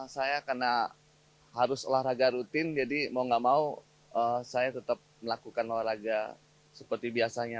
saya karena harus olahraga rutin jadi mau gak mau saya tetap melakukan olahraga seperti biasanya